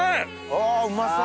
あうまそう！